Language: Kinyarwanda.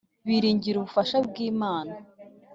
biringira ubufasha bwim ana